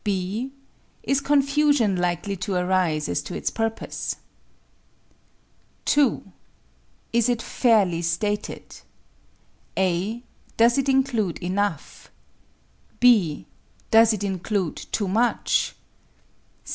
(b) Is confusion likely to arise as to its purpose? 2. Is it fairly stated? (a) Does it include enough? (b) Does it include too much?